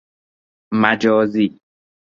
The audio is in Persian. مجازی